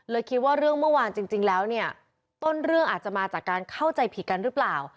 คิดว่าเรื่องเมื่อวานจริงแล้วเนี่ยต้นเรื่องอาจจะมาจากการเข้าใจผิดกันหรือเปล่า